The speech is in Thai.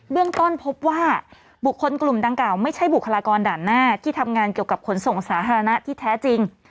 เรื่องต้นพบว่าบุคคลกลุ่มดังกล่าวไม่ใช่บุคลากรด่านหน้าที่ทำงานเกี่ยวกับขนส่งสาธารณะที่แท้จริง